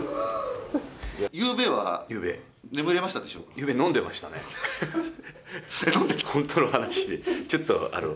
ゆうべは眠れましたでしょう